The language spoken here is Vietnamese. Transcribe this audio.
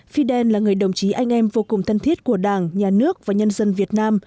fidel là người đồng chí anh em vô cùng thân thiết của đảng nhà nước và nhân dân việt nam